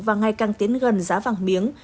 và ngày càng tiến gần giá vàng miếng